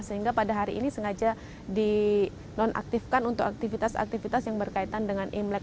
sehingga pada hari ini sengaja dinonaktifkan untuk aktivitas aktivitas yang berkaitan dengan imlek